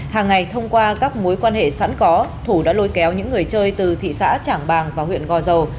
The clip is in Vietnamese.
hàng ngày thông qua các mối quan hệ sẵn có thủ đã lôi kéo những người chơi từ thị xã trảng bàng và huyện gò dầu